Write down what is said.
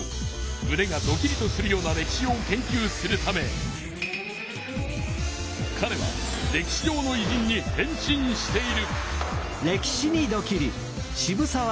むねがドキリとするような歴史を研究するためかれは歴史上のいじんに変身している。